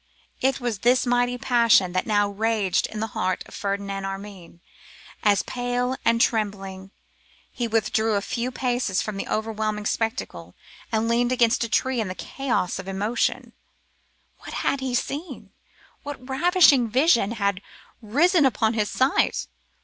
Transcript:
it was this mighty passion that now raged in the heart of Ferdinand Armine, as, pale and trembling, he withdrew a few paces from the overwhelming spectacle, and leant against a tree in a chaos of emotion. What had he seen? What ravishing vision had risen upon his sight?